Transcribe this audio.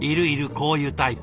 こういうタイプ。